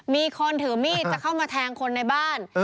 มีคนถือมีดจะเข้ามาแทงคนในบ้าน